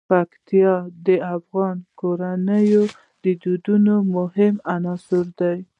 پکتیا د افغان کورنیو د دودونو مهم عنصر دی.